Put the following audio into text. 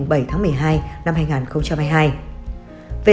về giấy phát triển